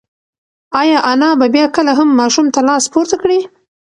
ایا انا به بیا کله هم ماشوم ته لاس پورته کړي؟